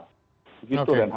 begitu dan harus